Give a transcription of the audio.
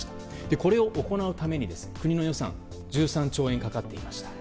これを行うために国の予算、１３兆円かかっていました。